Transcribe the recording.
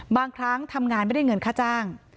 บางครั้งทำงานไม่ได้เงินค่าจ้าง